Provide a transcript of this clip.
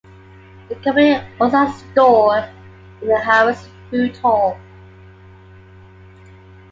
The company also has a store in the Harrods Food Hall.